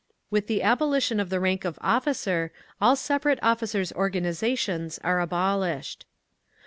With the abolition of the rank of officer, all separate officers' organisations are abolished.